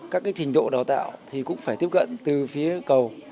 các trình độ đào tạo thì cũng phải tiếp cận từ phía cầu